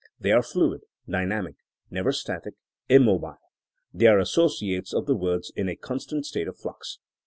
They are fluid, dynamic ; never static, immobile. They are associates of the words in a constant state of flux.